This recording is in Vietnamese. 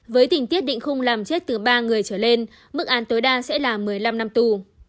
với tình tiết định khung làm chết từ ba người trở lên mức án tối đa sẽ là một mươi năm năm tù